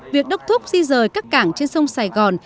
việc đốc thúc di rời các cảng trên sông sài gòn